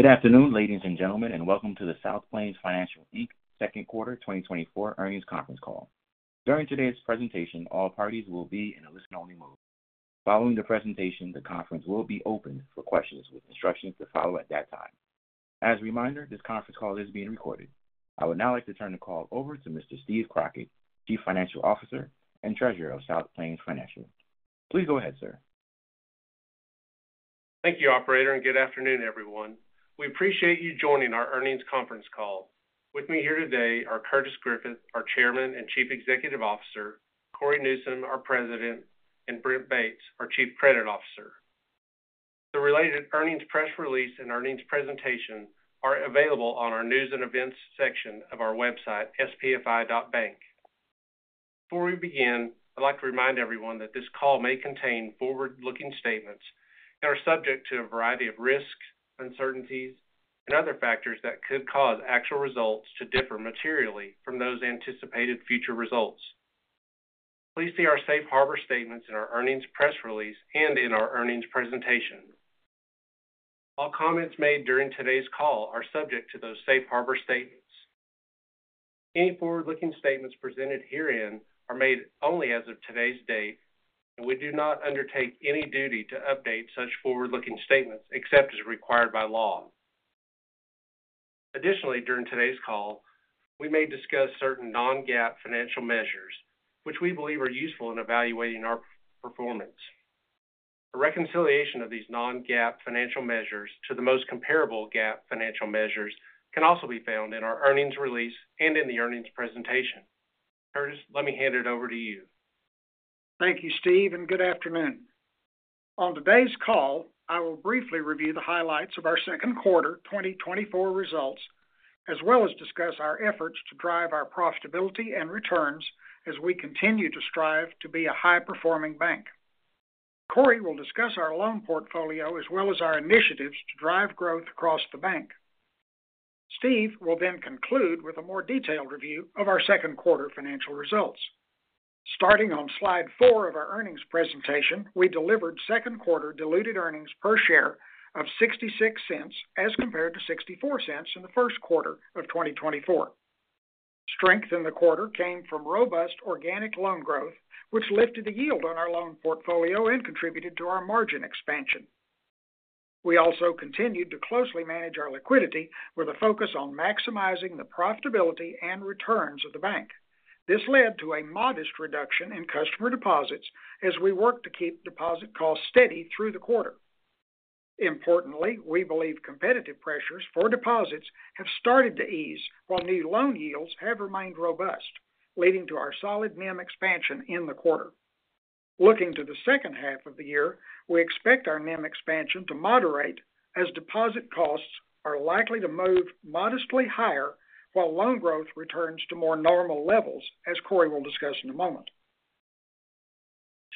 Good afternoon, ladies and gentlemen, and welcome to the South Plains Financial, Inc. second quarter 2024 earnings conference call. During today's presentation, all parties will be in a listen-only mode. Following the presentation, the conference will be opened for questions with instructions to follow at that time. As a reminder, this conference call is being recorded. I would now like to turn the call over to Mr. Steve Crockett, Chief Financial Officer and Treasurer of South Plains Financial. Please go ahead, sir. Thank you, operator, and good afternoon, everyone. We appreciate you joining our earnings conference call. With me here today are Curtis Griffith, our Chairman and Chief Executive Officer, Cory Newsom, our President, and Brent Bates, our Chief Credit Officer. The related earnings press release and earnings presentation are available on our News and Events section of our website, spfi.bank. Before we begin, I'd like to remind everyone that this call may contain forward-looking statements that are subject to a variety of risks, uncertainties, and other factors that could cause actual results to differ materially from those anticipated future results. Please see our safe harbor statements in our earnings press release and in our earnings presentation. All comments made during today's call are subject to those safe harbor statements. Any forward-looking statements presented herein are made only as of today's date, and we do not undertake any duty to update such forward-looking statements except as required by law. Additionally, during today's call, we may discuss certain non-GAAP financial measures which we believe are useful in evaluating our performance. A reconciliation of these non-GAAP financial measures to the most comparable GAAP financial measures can also be found in our earnings release and in the earnings presentation. Curtis, let me hand it over to you. Thank you, Steve, and good afternoon. On today's call, I will briefly review the highlights of our second quarter 2024 results, as well as discuss our efforts to drive our profitability and returns as we continue to strive to be a high-performing bank. Cory will discuss our loan portfolio as well as our initiatives to drive growth across the bank. Steve will then conclude with a more detailed review of our second quarter financial results. Starting on slide four of our earnings presentation, we delivered second quarter diluted earnings per share of $0.66, as compared to $0.64 in the first quarter of 2024. Strength in the quarter came from robust organic loan growth, which lifted the yield on our loan portfolio and contributed to our margin expansion. We also continued to closely manage our liquidity with a focus on maximizing the profitability and returns of the bank. This led to a modest reduction in customer deposits as we worked to keep deposit costs steady through the quarter. Importantly, we believe competitive pressures for deposits have started to ease, while new loan yields have remained robust, leading to our solid NIM expansion in the quarter. Looking to the second half of the year, we expect our NIM expansion to moderate as deposit costs are likely to move modestly higher, while loan growth returns to more normal levels, as Cory will discuss in a moment.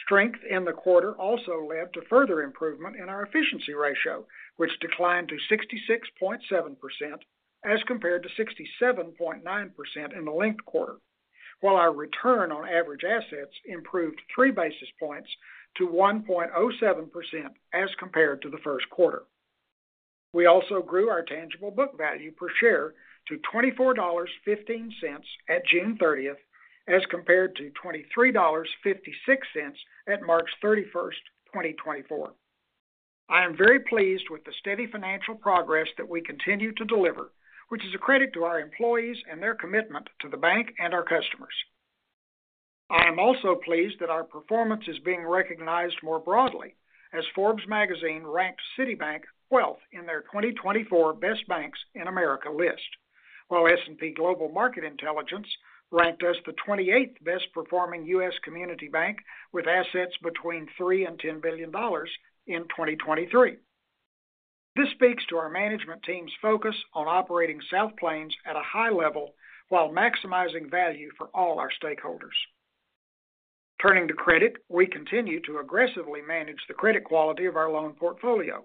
Strength in the quarter also led to further improvement in our efficiency ratio, which declined to 66.7% as compared to 67.9% in the linked quarter, while our return on average assets improved 3 basis points to 1.07% as compared to the first quarter. We also grew our tangible book value per share to $24.15 at June 30, as compared to $23.56 at March 31, 2024. I am very pleased with the steady financial progress that we continue to deliver, which is a credit to our employees and their commitment to the bank and our customers. I am also pleased that our performance is being recognized more broadly as Forbes Magazine ranked City Bank 12th in their 2024 Best Banks in America list, while S&P Global Market Intelligence ranked us the 28th best performing U.S. community bank with assets between $3 billion and $10 billion in 2023. This speaks to our management team's focus on operating South Plains at a high level while maximizing value for all our stakeholders. Turning to credit, we continue to aggressively manage the credit quality of our loan portfolio.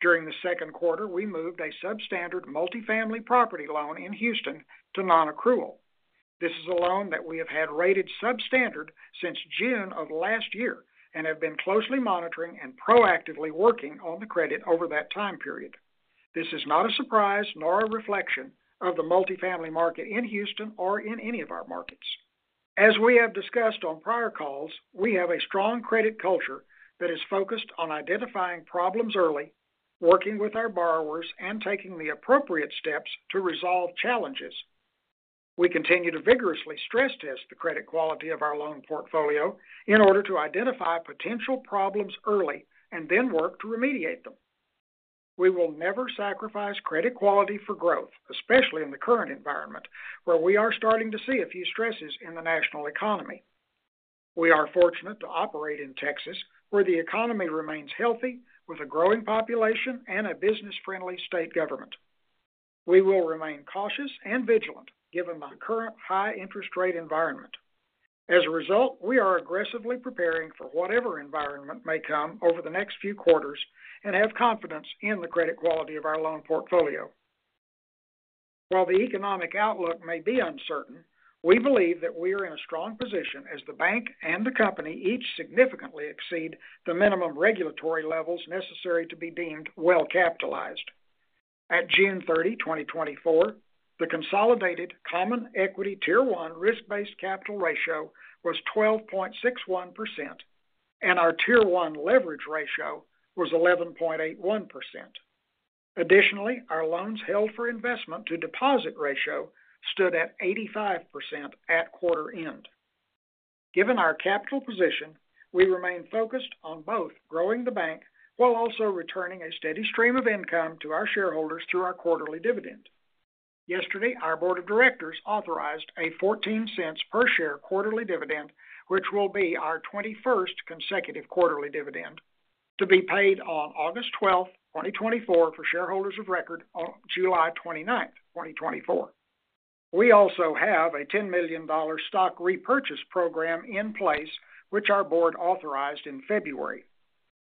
During the second quarter, we moved a substandard multifamily property loan in Houston to non-accrual. This is a loan that we have had rated substandard since June of last year and have been closely monitoring and proactively working on the credit over that time period. This is not a surprise nor a reflection of the multifamily market in Houston or in any of our markets. As we have discussed on prior calls, we have a strong credit culture that is focused on identifying problems early, working with our borrowers, and taking the appropriate steps to resolve challenges. We continue to vigorously stress test the credit quality of our loan portfolio in order to identify potential problems early and then work to remediate them. We will never sacrifice credit quality for growth, especially in the current environment, where we are starting to see a few stresses in the national economy. We are fortunate to operate in Texas, where the economy remains healthy, with a growing population and a business-friendly state government. We will remain cautious and vigilant, given the current high interest rate environment. As a result, we are aggressively preparing for whatever environment may come over the next few quarters and have confidence in the credit quality of our loan portfolio. While the economic outlook may be uncertain, we believe that we are in a strong position as the bank and the company each significantly exceed the minimum regulatory levels necessary to be deemed well capitalized. At June 30, 2024, the consolidated Common equity Tier One risk-based capital ratio was 12.61%, and our Tier One leverage ratio was 11.81%. Additionally, our loans held for investment to deposit ratio stood at 85% at quarter end. Given our capital position, we remain focused on both growing the bank while also returning a steady stream of income to our shareholders through our quarterly dividend. Yesterday, our board of directors authorized a $0.14 per share quarterly dividend, which will be our 21st consecutive quarterly dividend, to be paid on August 12, 2024, for shareholders of record on July 29, 2024. We also have a $10 million stock repurchase program in place, which our board authorized in February.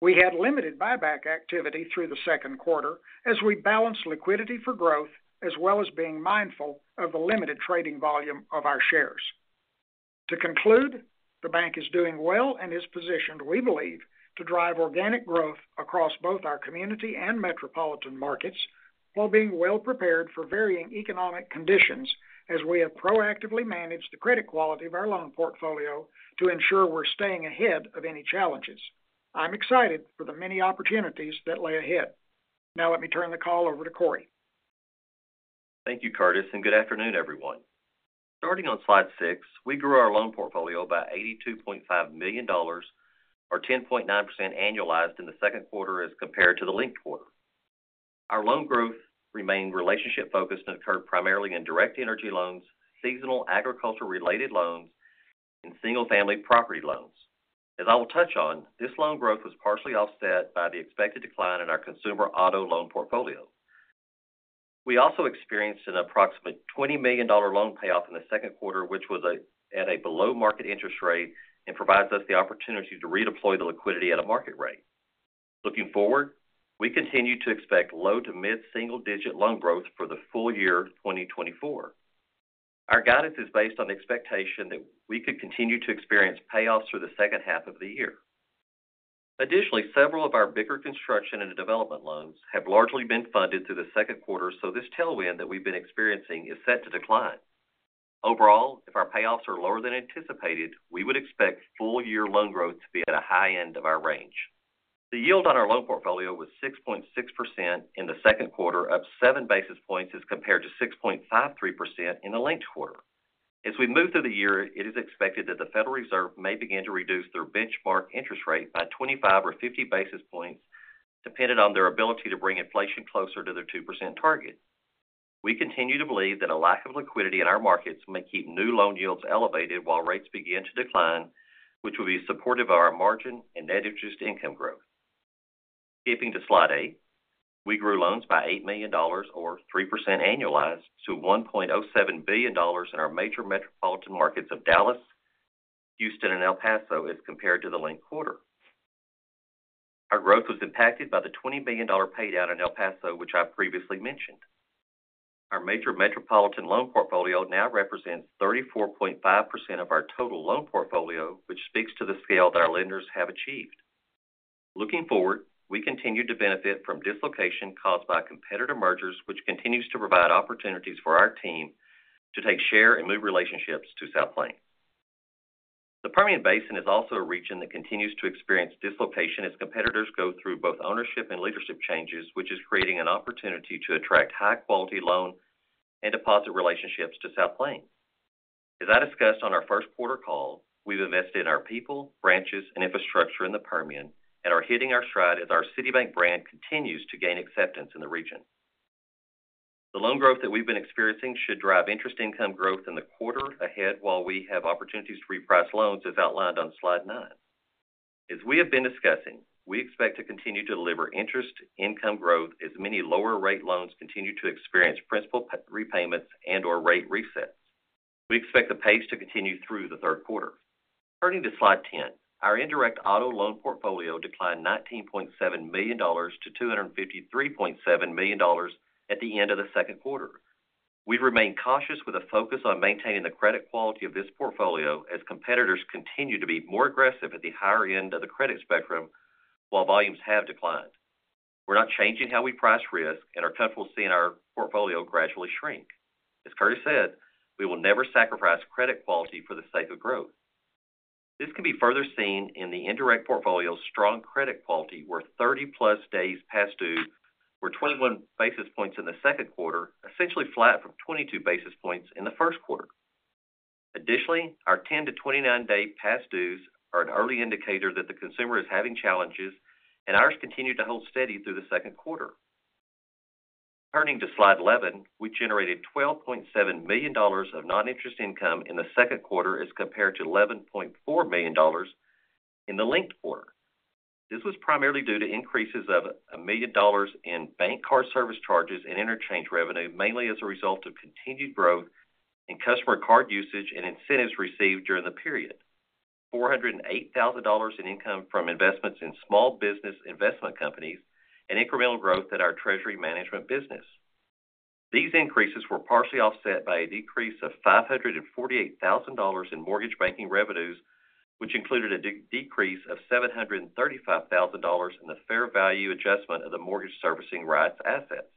We had limited buyback activity through the second quarter as we balanced liquidity for growth, as well as being mindful of the limited trading volume of our shares. To conclude, the bank is doing well and is positioned, we believe, to drive organic growth across both our community and metropolitan markets, while being well prepared for varying economic conditions, as we have proactively managed the credit quality of our loan portfolio to ensure we're staying ahead of any challenges. I'm excited for the many opportunities that lay ahead. Now let me turn the call over to Cory. Thank you, Curtis, and good afternoon, everyone. Starting on slide six, we grew our loan portfolio by $82.5 million, or 10.9% annualized in the second quarter as compared to the linked quarter. Our loan growth remained relationship-focused and occurred primarily in direct energy loans, seasonal agriculture-related loans, and single-family property loans. As I will touch on, this loan growth was partially offset by the expected decline in our consumer auto loan portfolio. We also experienced an approximately $20 million loan payoff in the second quarter, which was at a below-market interest rate and provides us the opportunity to redeploy the liquidity at a market rate. Looking forward, we continue to expect low to mid-single-digit loan growth for the full year 2024. Our guidance is based on the expectation that we could continue to experience payoffs through the second half of the year. Additionally, several of our bigger construction and development loans have largely been funded through the second quarter, so this tailwind that we've been experiencing is set to decline. Overall, if our payoffs are lower than anticipated, we would expect full-year loan growth to be at a high end of our range. The yield on our loan portfolio was 6.6% in the second quarter, up 7 basis points as compared to 6.53% in the linked quarter. As we move through the year, it is expected that the Federal Reserve may begin to reduce their benchmark interest rate by 25 or 50 basis points, depending on their ability to bring inflation closer to their 2% target. We continue to believe that a lack of liquidity in our markets may keep new loan yields elevated while rates begin to decline, which will be supportive of our margin and net interest income growth. Skipping to slide eight, we grew loans by $8 million or 3% annualized to $1.07 billion in our major metropolitan markets of Dallas, Houston, and El Paso as compared to the linked quarter. Our growth was impacted by the $20 million paydown in El Paso, which I previously mentioned. Our major metropolitan loan portfolio now represents 34.5% of our total loan portfolio, which speaks to the scale that our lenders have achieved. Looking forward, we continue to benefit from dislocation caused by competitor mergers, which continues to provide opportunities for our team to take share and move relationships to South Plains. The Permian Basin is also a region that continues to experience dislocation as competitors go through both ownership and leadership changes, which is creating an opportunity to attract high-quality loan and deposit relationships to South Plains. As I discussed on our first quarter call, we've invested in our people, branches, and infrastructure in the Permian and are hitting our stride as our City Bank brand continues to gain acceptance in the region. The loan growth that we've been experiencing should drive interest income growth in the quarter ahead, while we have opportunities to reprice loans, as outlined on slide nine. As we have been discussing, we expect to continue to deliver interest income growth as many lower rate loans continue to experience principal repayments and/or rate resets. We expect the pace to continue through the third quarter. Turning to slide 10, our indirect auto loan portfolio declined $19.7 million to $253.7 million at the end of the second quarter. We remain cautious with a focus on maintaining the credit quality of this portfolio as competitors continue to be more aggressive at the higher end of the credit spectrum, while volumes have declined. We're not changing how we price risk, and are comfortable seeing our portfolio gradually shrink. As Curtis said, we will never sacrifice credit quality for the sake of growth. This can be further seen in the indirect portfolio's strong credit quality, where 30+ days past due were 21 basis points in the second quarter, essentially flat from 22 basis points in the first quarter. Additionally, our 10- to 29-day past dues are an early indicator that the consumer is having challenges, and ours continued to hold steady through the second quarter. Turning to slide 11, we generated $12.7 million of non-interest income in the second quarter, as compared to $11.4 million in the linked quarter. This was primarily due to increases of $1 million in bank card service charges and interchange revenue, mainly as a result of continued growth in customer card usage and incentives received during the period, $408,000 in income from investments in small business investment companies and incremental growth at our treasury management business. These increases were partially offset by a decrease of $548,000 in mortgage banking revenues, which included a decrease of $735,000 in the fair value adjustment of the mortgage servicing rights assets.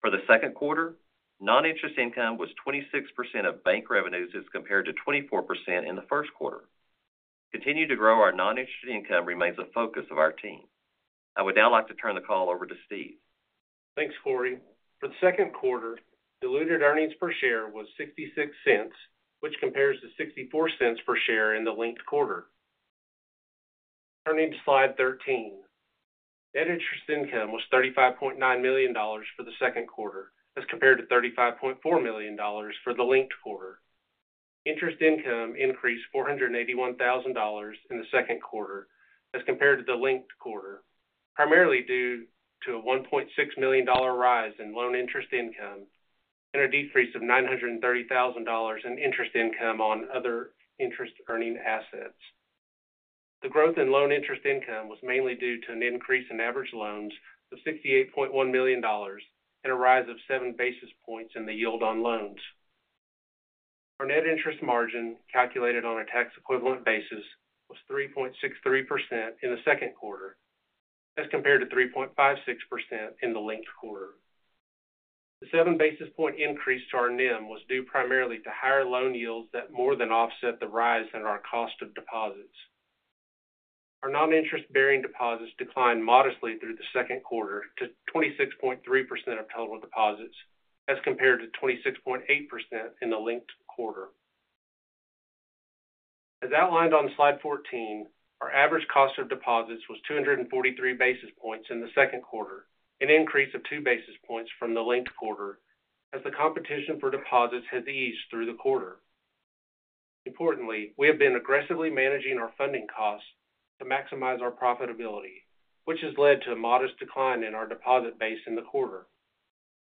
For the second quarter, non-interest income was 26% of bank revenues as compared to 24% in the first quarter. Continue to grow our non-interest income remains a focus of our team. I would now like to turn the call over to Steve. Thanks, Cory. For the second quarter, diluted earnings per share was $0.66, which compares to $0.64 per share in the linked quarter. Turning to slide 13. Net interest income was $35.9 million for the second quarter, as compared to $35.4 million for the linked quarter. Interest income increased $481,000 in the second quarter as compared to the linked quarter, primarily due to a $1.6 million rise in loan interest income and a decrease of $930,000 in interest income on other interest earning assets. The growth in loan interest income was mainly due to an increase in average loans of $68.1 million and a rise of 7 basis points in the yield on loans. Our net interest margin, calculated on a tax equivalent basis, was 3.63% in the second quarter, as compared to 3.56% in the linked quarter. The seven basis point increase to our NIM was due primarily to higher loan yields that more than offset the rise in our cost of deposits. Our non-interest-bearing deposits declined modestly through the second quarter to 26.3% of total deposits, as compared to 26.8% in the linked quarter. As outlined on slide 14, our average cost of deposits was 243 basis points in the second quarter, an increase of two basis points from the linked quarter, as the competition for deposits had eased through the quarter. Importantly, we have been aggressively managing our funding costs to maximize our profitability, which has led to a modest decline in our deposit base in the quarter.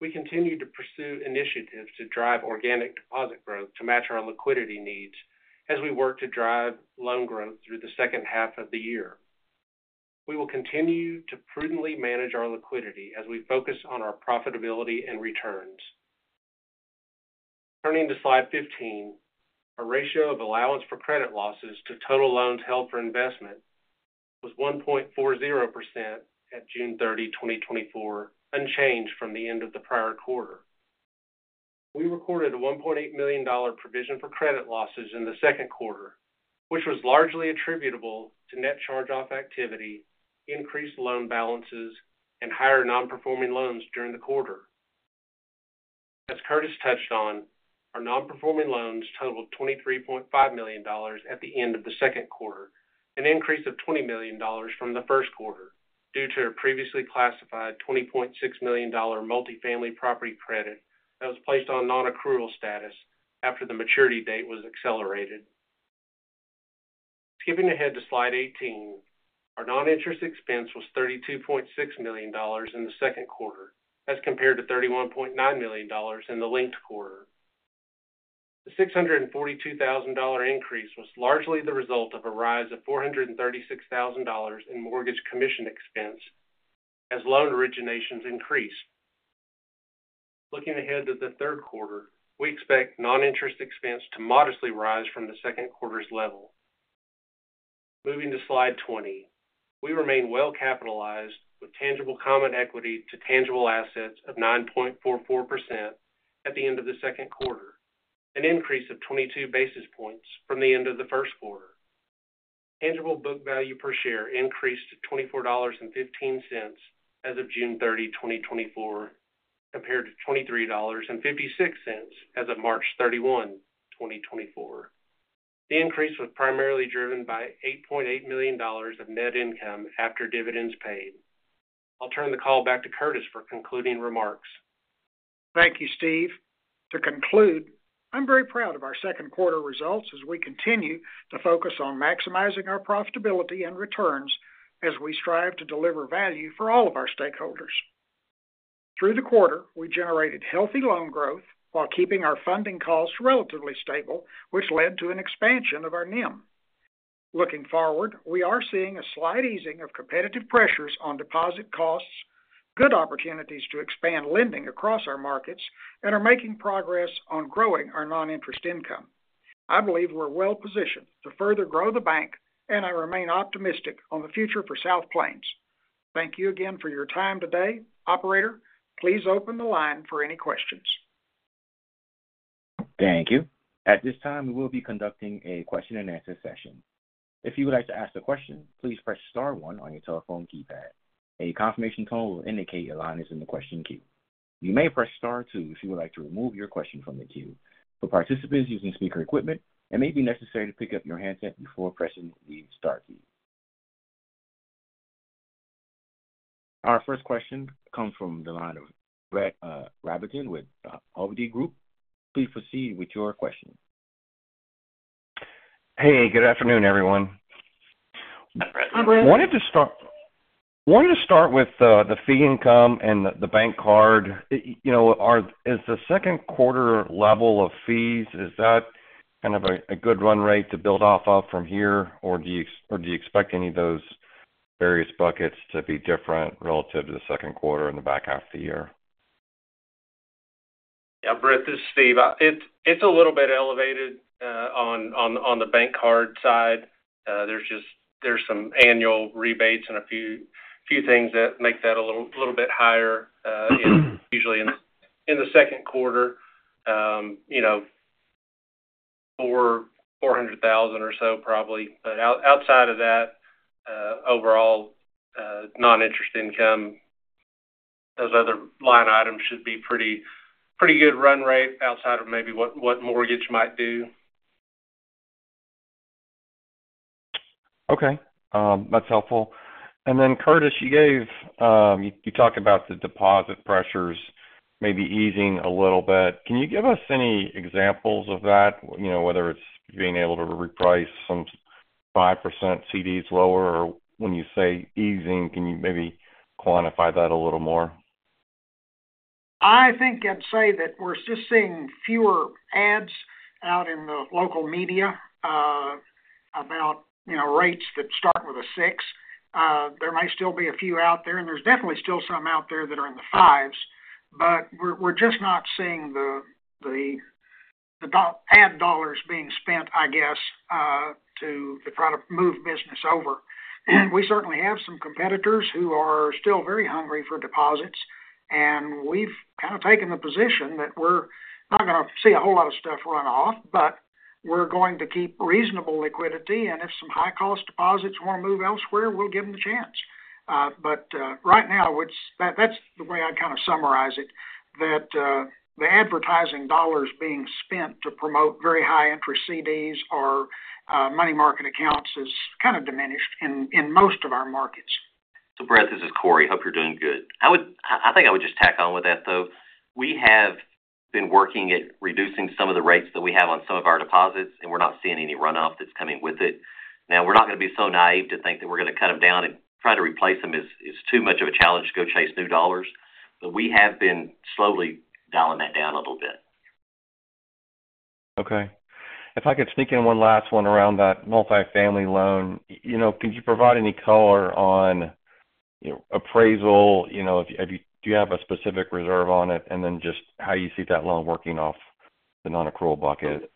We continue to pursue initiatives to drive organic deposit growth to match our liquidity needs as we work to drive loan growth through the second half of the year. We will continue to prudently manage our liquidity as we focus on our profitability and returns. Turning to slide 15, our ratio of allowance for credit losses to total loans held for investment was 1.40% at June 30, 2024, unchanged from the end of the prior quarter. We recorded a $1.8 million provision for credit losses in the second quarter, which was largely attributable to net charge-off activity, increased loan balances, and higher non-performing loans during the quarter. As Curtis touched on, our non-performing loans totaled $23.5 million at the end of the second quarter, an increase of $20 million from the first quarter due to a previously classified $20.6 million multifamily property credit that was placed on non-accrual status after the maturity date was accelerated. Skipping ahead to slide 18, our non-interest expense was $32.6 million in the second quarter, as compared to $31.9 million in the linked quarter. The $642,000 increase was largely the result of a rise of $436,000 in mortgage commission expense as loan originations increased. Looking ahead to the third quarter, we expect non-interest expense to modestly rise from the second quarter's level. Moving to slide 20. We remain well capitalized with tangible common equity to tangible assets of 9.44% at the end of the second quarter, an increase of 22 basis points from the end of the first quarter. Tangible book value per share increased to $24.15 as of June 30, 2024, compared to $23.56 as of March 31, 2024. The increase was primarily driven by $8.8 million of net income after dividends paid. I'll turn the call back to Curtis for concluding remarks. Thank you, Steve. To conclude, I'm very proud of our second quarter results as we continue to focus on maximizing our profitability and returns, as we strive to deliver value for all of our stakeholders. Through the quarter, we generated healthy loan growth while keeping our funding costs relatively stable, which led to an expansion of our NIM. Looking forward, we are seeing a slight easing of competitive pressures on deposit costs, good opportunities to expand lending across our markets, and are making progress on growing our non-interest income. I believe we're well positioned to further grow the bank, and I remain optimistic on the future for South Plains. Thank you again for your time today. Operator, please open the line for any questions. Thank you. At this time, we will be conducting a question-and-answer session. If you would like to ask a question, please press star one on your telephone keypad. A confirmation tone will indicate your line is in the question queue. You may press Star two if you would like to remove your question from the queue. For participants using speaker equipment, it may be necessary to pick up your handset before pressing the star key. Our first question comes from the line of Brett Rabatin with Hovde Group. Please proceed with your question. Hey, good afternoon, everyone.... I wanted to start with the fee income and the bank card. You know, is the second quarter level of fees, is that kind of a good run rate to build off of from here? Or do you expect any of those various buckets to be different relative to the second quarter in the back half of the year? Yeah, Brett, this is Steve. It's a little bit elevated on the bank card side. There's just some annual rebates and a few things that make that a little bit higher, usually in the second quarter, you know, $400,000 or so, probably. But outside of that, overall, non-interest income, those other line items should be pretty good run rate outside of maybe what mortgage might do. Okay, that's helpful. And then, Curtis, you gave, you talked about the deposit pressures maybe easing a little bit. Can you give us any examples of that? You know, whether it's being able to reprice some 5% CDs lower, or when you say easing, can you maybe quantify that a little more? I think I'd say that we're just seeing fewer ads out in the local media, about, you know, rates that start with a six. There may still be a few out there, and there's definitely still some out there that are in the fives, but we're just not seeing the ad dollars being spent, I guess, to try to move business over. We certainly have some competitors who are still very hungry for deposits, and we've kind of taken the position that we're not going to see a whole lot of stuff run off, but we're going to keep reasonable liquidity, and if some high-cost deposits want to move elsewhere, we'll give them the chance. But right now, it's that that's the way I'd kind of summarize it, that the advertising dollars being spent to promote very high-interest CDs or money market accounts has kind of diminished in most of our markets. So, Brett, this is Cory. Hope you're doing good. I think I would just tack on with that, though. We have been working at reducing some of the rates that we have on some of our deposits, and we're not seeing any runoff that's coming with it. Now, we're not going to be so naive to think that we're going to cut them down and try to replace them. It's too much of a challenge to go chase new dollars, but we have been slowly dialing that down a little bit. Okay. If I could sneak in one last one around that multifamily loan. You know, could you provide any color on, you know, appraisal? You know, if you... Do you have a specific reserve on it, and then just how you see that loan working off the non-accrual bucket?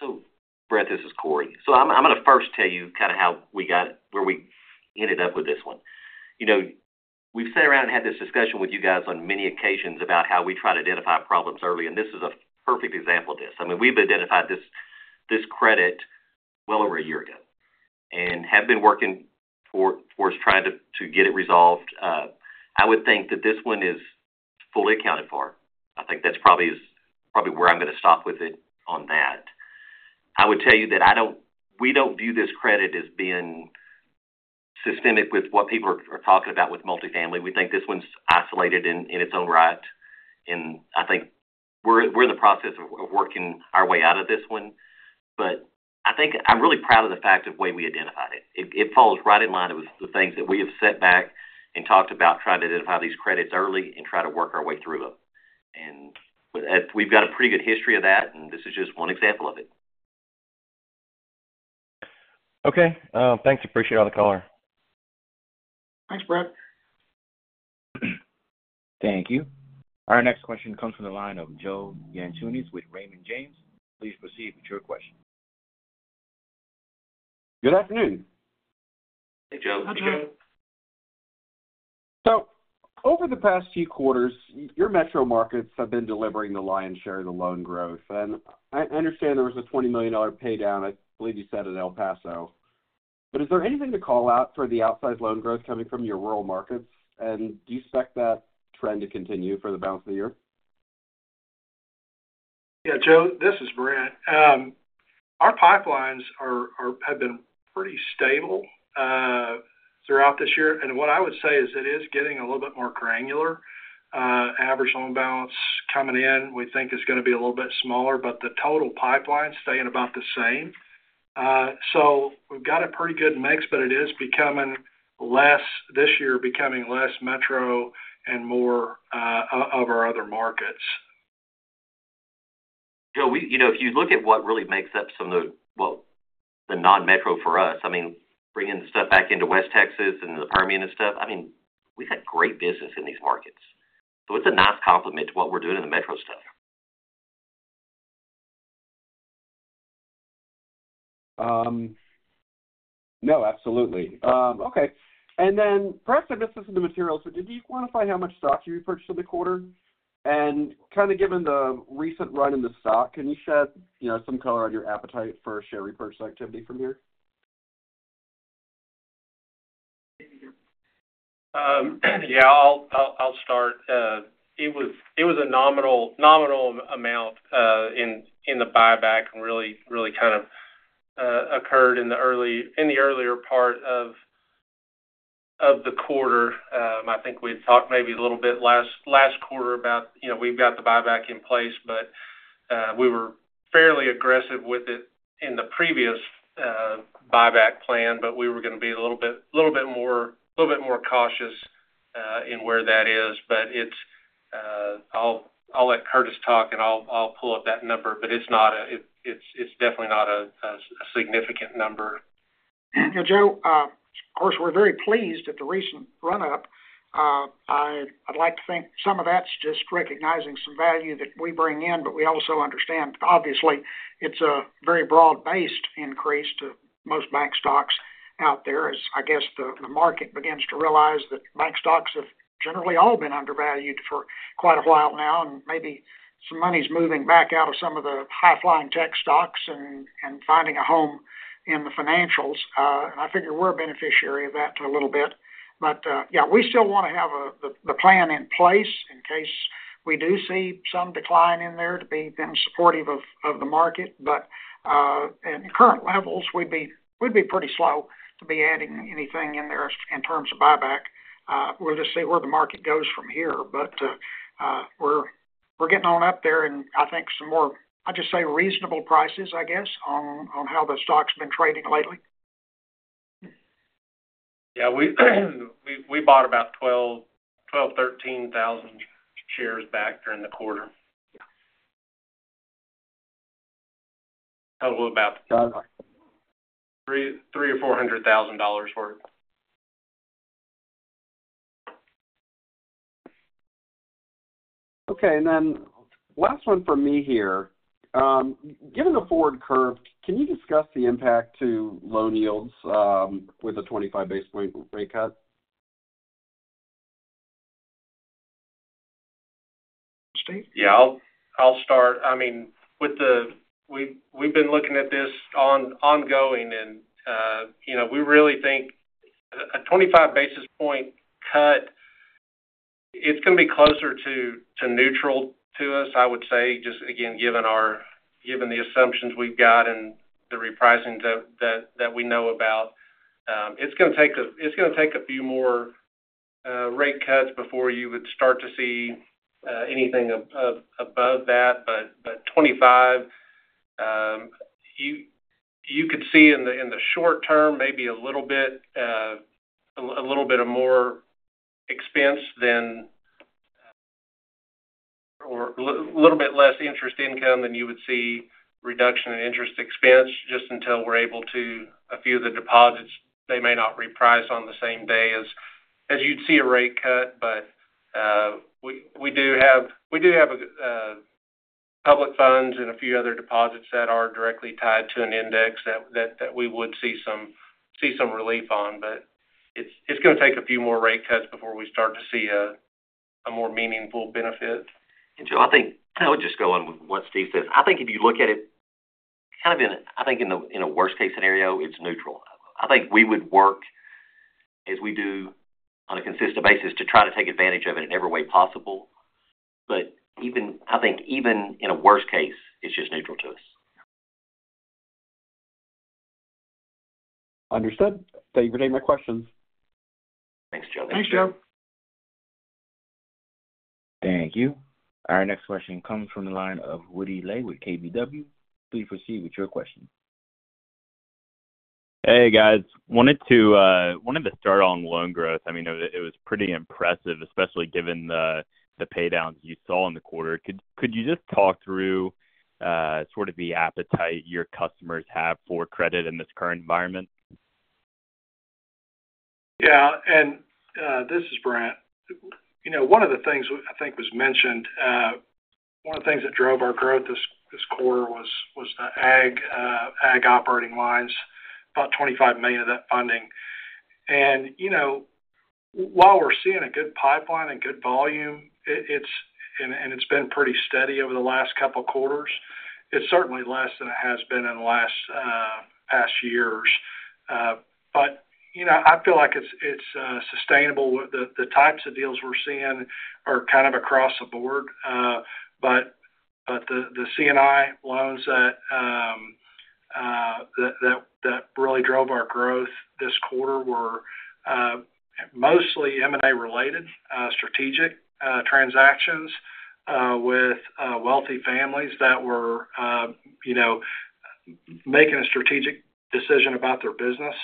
So, Brett, this is Cory. So I'm going to first tell you kind of how we got, where we ended up with this one. You know, we've sat around and had this discussion with you guys on many occasions about how we try to identify problems early, and this is a perfect example of this. I mean, we've identified this credit well over a year ago and have been working for trying to get it resolved. I would think that this one is fully accounted for. I think that's probably where I'm going to stop with it on that. I would tell you that I don't, we don't view this credit as being systemic with what people are talking about with multifamily. We think this one's isolated in its own right, and I think we're in the process of working our way out of this one. But I think I'm really proud of the fact of the way we identified it. It falls right in line with the things that we have set back and talked about trying to identify these credits early and try to work our way through them. And, we've got a pretty good history of that, and this is just one example of it. Okay, thanks. Appreciate all the color. Thanks, Brett. Thank you. Our next question comes from the line of Joe Yanchunis with Raymond James. Please proceed with your question. Good afternoon. Hey, Joe. Hi, Joe. So over the past few quarters, your metro markets have been delivering the lion's share of the loan growth, and I understand there was a $20 million pay down, I believe you said, at El Paso. But is there anything to call out for the outsized loan growth coming from your rural markets? And do you expect that trend to continue for the balance of the year? Yeah, Joe, this is Brent. Our pipelines have been pretty stable throughout this year. And what I would say is, it is getting a little bit more granular. Average loan balance coming in, we think is going to be a little bit smaller, but the total pipeline is staying about the same. So we've got a pretty good mix, but it is becoming less, this year, becoming less metro and more of our other markets. Joe, you know, if you look at what really makes up some of the, well, the non-metro for us, I mean, bringing the stuff back into West Texas and the Permian and stuff, I mean, we've had great business in these markets. So it's a nice complement to what we're doing in the metro stuff. No, absolutely. Okay. And then perhaps I missed this in the materials, but did you quantify how much stock you repurchased in the quarter? And kind of given the recent run in the stock, can you shed, you know, some color on your appetite for share repurchase activity from here? Yeah, I'll start. It was a nominal amount in the buyback and really kind of occurred in the earlier part of.... of the quarter, I think we've talked maybe a little bit last quarter about, you know, we've got the buyback in place, but we were fairly aggressive with it in the previous buyback plan, but we were going to be a little bit more cautious in where that is. But it's, I'll let Curtis talk, and I'll pull up that number, but it's definitely not a significant number. Joe, of course, we're very pleased at the recent run-up. I'd like to think some of that's just recognizing some value that we bring in, but we also understand, obviously, it's a very broad-based increase to most bank stocks out there, as I guess, the market begins to realize that bank stocks have generally all been undervalued for quite a while now, and maybe some money is moving back out of some of the high-flying tech stocks and finding a home in the financials. And I figure we're a beneficiary of that a little bit. But yeah, we still want to have the plan in place in case we do see some decline in there to be then supportive of the market. But in current levels, we'd be pretty slow to be adding anything in there in terms of buyback. We'll just see where the market goes from here. But we're getting on up there, and I think some more, I'll just say, reasonable prices, I guess, on how the stock's been trading lately. Yeah, we bought about 12,000-13,000 shares back during the quarter. Yeah. Total about $300,000-$400,000 worth. Okay, and then last one for me here. Given the forward curve, can you discuss the impact to loan yields, with a 25 basis point rate cut? Steve? Yeah, I'll start. I mean, with the-- we've been looking at this ongoing, and, you know, we really think a 25 basis point cut, it's going to be closer to neutral to us, I would say, just again, given our-- given the assumptions we've got and the repricing that we know about. It's going to take a-- it's going to take a few more rate cuts before you would start to see anything above that. But 25, you could see in the short term, maybe a little bit of more expense than-- or little bit less interest income than you would see reduction in interest expense just until we're able to... A few of the deposits, they may not reprice on the same day as you'd see a rate cut, but we do have a good public funds and a few other deposits that are directly tied to an index that we would see some relief on. But it's going to take a few more rate cuts before we start to see a more meaningful benefit. And Joe, I think I would just go on with what Steve says. I think if you look at it, kind of in, I think in a, in a worst-case scenario, it's neutral. I think we would work as we do on a consistent basis to try to take advantage of it in every way possible. But even, I think even in a worst case, it's just neutral to us. Understood. Thank you for taking my questions. Thanks, Joe. Thanks, Joe. Thank you. Our next question comes from the line of Woody Lay with KBW. Please proceed with your question. Hey, guys. Wanted to start on loan growth. I mean, it was pretty impressive, especially given the paydowns you saw in the quarter. Could you just talk through sort of the appetite your customers have for credit in this current environment? Yeah, and, this is Brent. You know, one of the things I think was mentioned, one of the things that drove our growth this, this quarter was, was the ag, ag operating lines, about $25 million of that funding. And, you know, while we're seeing a good pipeline and good volume, it, it's-- and, and it's been pretty steady over the last couple of quarters, it's certainly less than it has been in the last, past years. But, you know, I feel like it's, it's, sustainable. The, the types of deals we're seeing are kind of across the board, but, but the, the C&I loans that, that, that really drove our growth this quarter were, mostly M&A-related, strategic, transactions, with, wealthy families that were, you know, making a strategic decision about their business.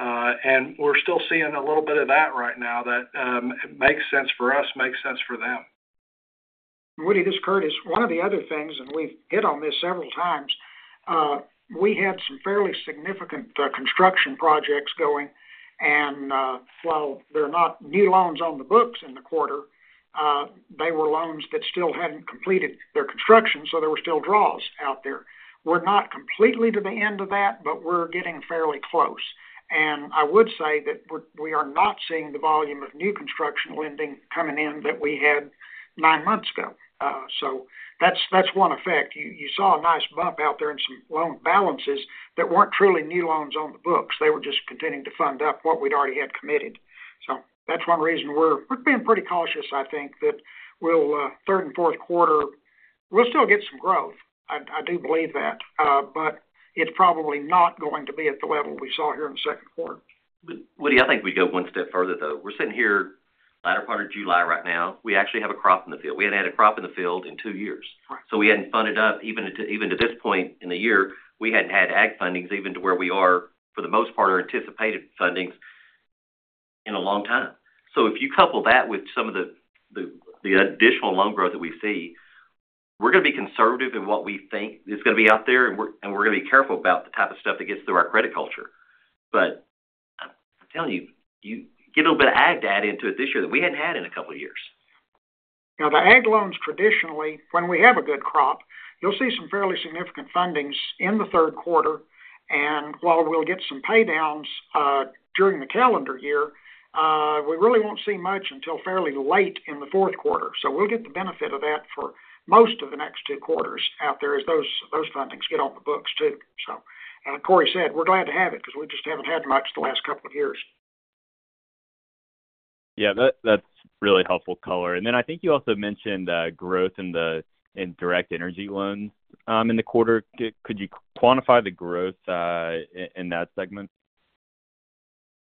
And we're still seeing a little bit of that right now that makes sense for us, makes sense for them. Woody, this is Curtis. One of the other things, and we've hit on this several times, we had some fairly significant construction projects going, and while they're not new loans on the books in the quarter, they were loans that still hadn't completed their construction, so there were still draws out there. We're not completely to the end of that, but we're getting fairly close. And I would say that we're—we are not seeing the volume of new construction lending coming in that we had nine months ago. So that's one effect. You saw a nice bump out there in some loan balances that weren't truly new loans on the books. They were just continuing to fund up what we'd already had committed. So that's one reason we're being pretty cautious, I think, that we'll still get some growth, I do believe that, but it's probably not going to be at the level we saw here in the second quarter. But Woody, I think we go one step further, though. We're sitting here latter part of July right now. We actually have a crop in the field. We hadn't had a crop in the field in two years. Right. So we hadn't funded up, even to this point in the year, we hadn't had ag fundings, even to where we are, for the most part, our anticipated fundings in a long time. So if you couple that with some of the additional loan growth that we see, we're gonna be conservative in what we think is gonna be out there, and we're gonna be careful about the type of stuff that gets through our credit culture. But I'm telling you, you get a little bit of ag data into it this year that we hadn't had in a couple of years. Now, the ag loans, traditionally, when we have a good crop, you'll see some fairly significant fundings in the third quarter. And while we'll get some pay downs during the calendar year, we really won't see much until fairly late in the fourth quarter. So we'll get the benefit of that for most of the next two quarters out there as those, those fundings get on the books, too. So, and like Cory said, we're glad to have it, 'cause we just haven't had much the last couple of years. Yeah, that's really helpful color. Then I think you also mentioned growth in indirect energy loans in the quarter. Could you quantify the growth in that segment?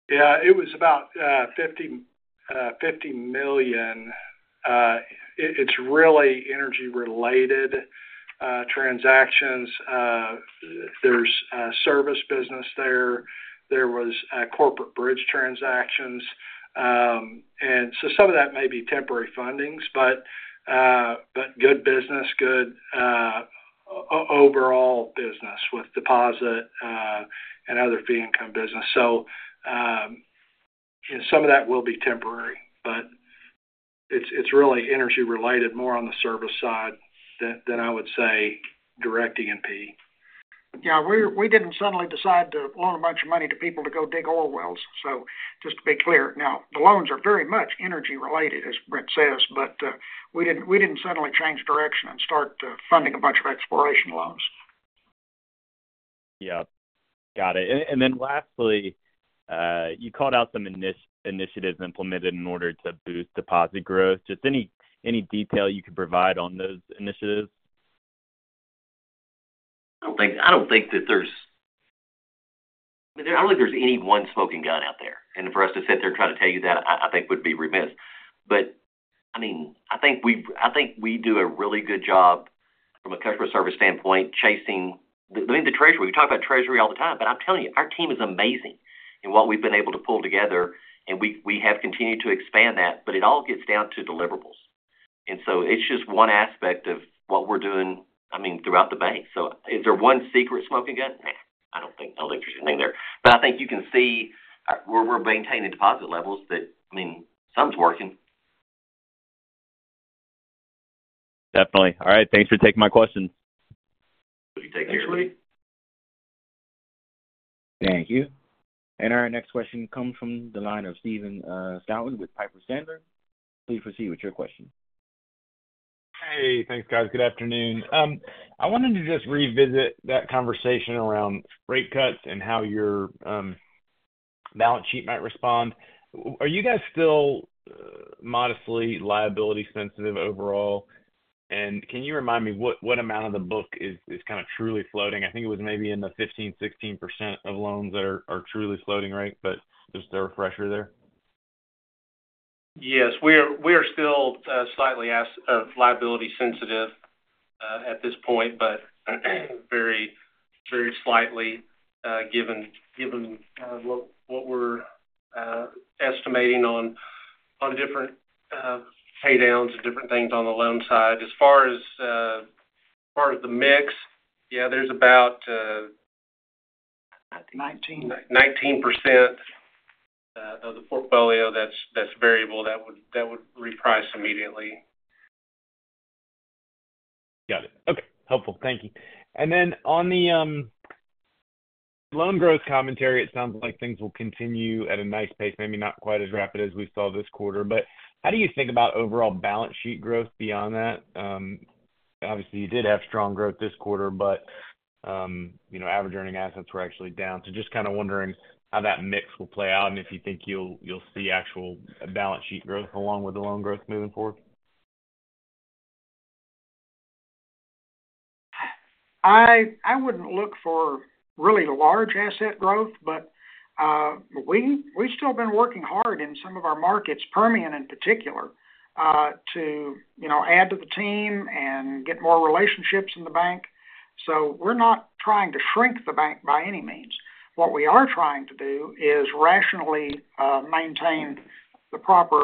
Yeah, it was about $50 million. It's really energy-related transactions. There's a service business there. There was corporate bridge transactions. And so some of that may be temporary fundings, but good business, good overall business with deposit and other fee income business. So, some of that will be temporary, but it's really energy-related, more on the service side than I would say, direct E&P. Yeah, we didn't suddenly decide to loan a bunch of money to people to go dig oil wells. So just to be clear, now, the loans are very much energy-related, as Brent says, but we didn't suddenly change direction and start funding a bunch of exploration loans. Yep. Got it. And, and then lastly, you called out some initiatives implemented in order to boost deposit growth. Just any, any detail you could provide on those initiatives? I don't think that there's any one smoking gun out there. And for us to sit there and try to tell you that, I think, would be remiss. But, I mean, I think we do a really good job from a customer service standpoint, chasing, I mean, the treasury. We talk about treasury all the time, but I'm telling you, our team is amazing in what we've been able to pull together, and we have continued to expand that, but it all gets down to deliverables. And so it's just one aspect of what we're doing, I mean, throughout the bank. So is there one secret smoking gun? Nah, I don't think I'll leave anything there. But I think you can see, we're maintaining deposit levels that, I mean, something's working. Definitely. All right, thanks for taking my question. You take care. Thanks, Woody. Thank you. And our next question comes from the line of Stephen Scouten with Piper Sandler. Please proceed with your question. Hey, thanks, guys. Good afternoon. I wanted to just revisit that conversation around rate cuts and how your balance sheet might respond. Are you guys still modestly liability sensitive overall? And can you remind me what amount of the book is kind of truly floating? I think it was maybe in the 15%-16% of loans that are truly floating, right? But just a refresher there. Yes, we are, we are still slightly as liability sensitive at this point, but very, very slightly, given, given what, what we're estimating on, on different pay downs and different things on the loan side. As far as, as far as the mix, yeah, there's about Nineteen. 19% of the portfolio that's variable that would reprice immediately. Got it. Okay, helpful. Thank you. And then on the loan growth commentary, it sounds like things will continue at a nice pace, maybe not quite as rapid as we saw this quarter, but how do you think about overall balance sheet growth beyond that? Obviously, you did have strong growth this quarter, but you know, average earning assets were actually down. So just kind of wondering how that mix will play out, and if you think you'll see actual balance sheet growth along with the loan growth moving forward. I wouldn't look for really large asset growth, but we've still been working hard in some of our markets, Permian, in particular, to you know, add to the team and get more relationships in the bank. So we're not trying to shrink the bank by any means. What we are trying to do is rationally maintain the proper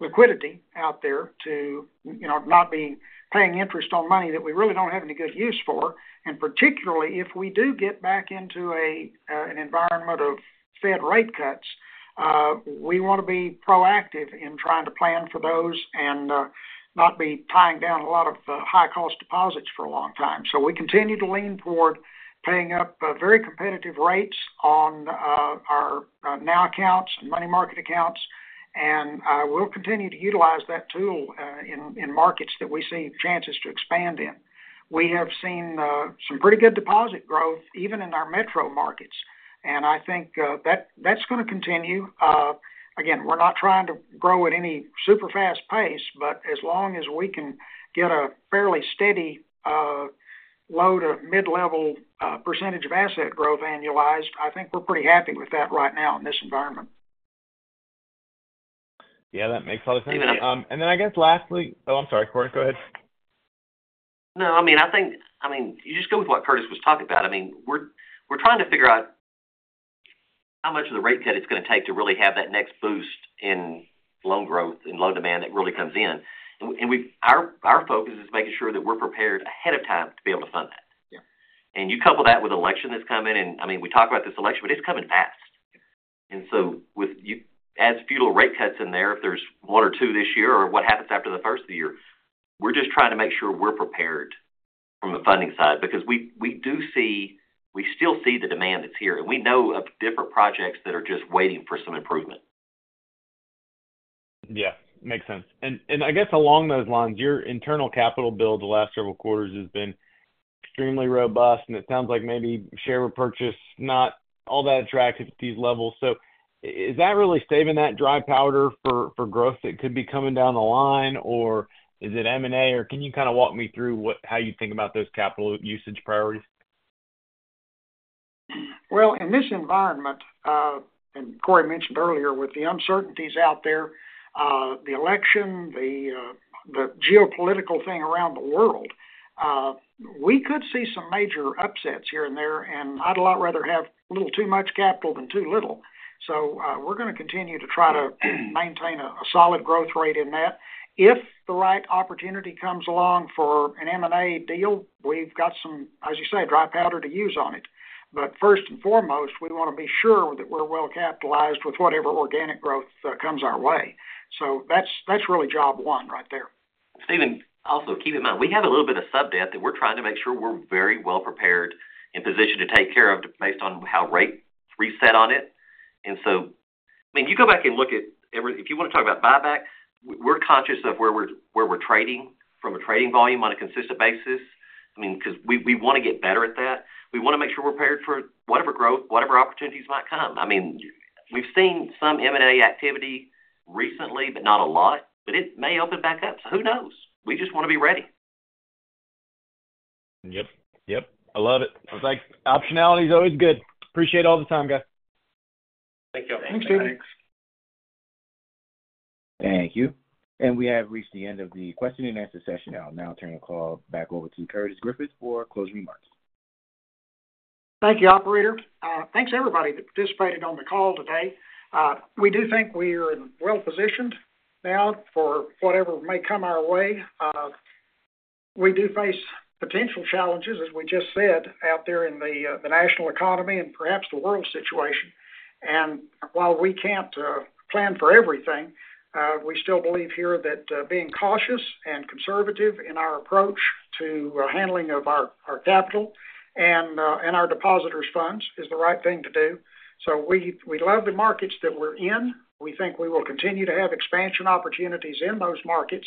liquidity out there to you know, not be paying interest on money that we really don't have any good use for. And particularly, if we do get back into an environment of Fed rate cuts, we want to be proactive in trying to plan for those and not be tying down a lot of high-cost deposits for a long time. So we continue to lean toward paying up, very competitive rates on, our, NOW accounts and money market accounts, and, we'll continue to utilize that tool, in, in markets that we see chances to expand in.... We have seen, some pretty good deposit growth even in our metro markets, and I think, that, that's going to continue. Again, we're not trying to grow at any super fast pace, but as long as we can get a fairly steady, low to mid-level, percentage of asset growth annualized, I think we're pretty happy with that right now in this environment. Yeah, that makes a lot of sense. And then I guess lastly-- Oh, I'm sorry, Cory, go ahead. No, I mean, I mean, you just go with what Curtis was talking about. I mean, we're, we're trying to figure out how much of the rate cut it's gonna take to really have that next boost in loan growth and loan demand that really comes in. And, and we-- our, our focus is making sure that we're prepared ahead of time to be able to fund that. Yeah. And you couple that with election that's coming, and, I mean, we talk about this election, but it's coming fast. And so if you add federal rate cuts in there, if there's 1 or 2 this year or what happens after the first of the year, we're just trying to make sure we're prepared from a funding side, because we still see the demand that's here, and we know of different projects that are just waiting for some improvement. Yeah, makes sense. And I guess along those lines, your internal capital build the last several quarters has been extremely robust, and it sounds like maybe share repurchase, not all that attractive at these levels. So is that really saving that dry powder for growth that could be coming down the line? Or is it M&A, or can you kind of walk me through how you think about those capital usage priorities? Well, in this environment, and Cory mentioned earlier, with the uncertainties out there, the election, the geopolitical thing around the world, we could see some major upsets here and there, and I'd a lot rather have a little too much capital than too little. So, we're gonna continue to try to maintain a solid growth rate in that. If the right opportunity comes along for an M&A deal, we've got some, as you say, dry powder to use on it. But first and foremost, we want to be sure that we're well capitalized with whatever organic growth comes our way. So that's really job one right there. Stephen, also, keep in mind, we have a little bit of subdebt, and we're trying to make sure we're very well prepared and positioned to take care of based on how rate reset on it. And so, I mean, you go back and look at every, if you want to talk about buyback, we're conscious of where we're trading from a trading volume on a consistent basis. I mean, because we want to get better at that. We want to make sure we're prepared for whatever growth, whatever opportunities might come. I mean, we've seen some M&A activity recently, but not a lot, but it may open back up. So who knows? We just want to be ready. Yep, yep. I love it. It's like optionality is always good. Appreciate all the time, guys. Thank you. Thanks, Stephen. Thank you. We have reached the end of the question and answer session. I'll now turn the call back over to Curtis Griffith for closing remarks. Thank you, operator. Thanks, everybody, that participated on the call today. We do think we are well positioned now for whatever may come our way. We do face potential challenges, as we just said, out there in the national economy and perhaps the world situation. And while we can't plan for everything, we still believe here that being cautious and conservative in our approach to handling of our capital and our depositors' funds is the right thing to do. So we love the markets that we're in. We think we will continue to have expansion opportunities in those markets,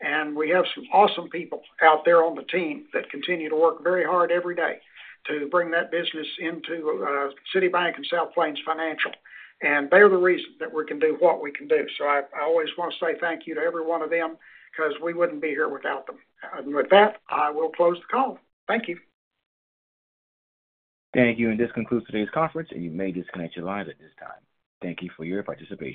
and we have some awesome people out there on the team that continue to work very hard every day to bring that business into City Bank and South Plains Financial. They're the reason that we can do what we can do. So I, I always want to say thank you to every one of them, 'cause we wouldn't be here without them. With that, I will close the call. Thank you. Thank you. This concludes today's conference, and you may disconnect your lines at this time. Thank you for your participation.